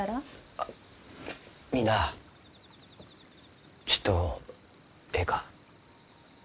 あみんなあちっとえいか？